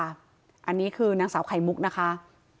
อันนี้คือนางสาวไข่มุกนะคะ